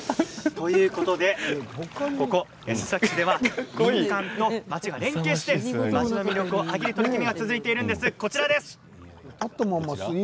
ということで、ここ須崎市では民間と町が連携して町の魅力を上げる取り組みが続いているんです。